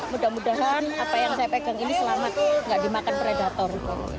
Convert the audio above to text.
mudah mudahan apa yang saya pegang ini selamat gak dimakan predator